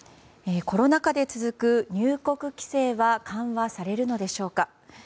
コロナ禍で続く入国規制は緩和されるのでしょうか。